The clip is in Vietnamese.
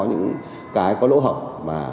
những cái có lỗ hỏng mà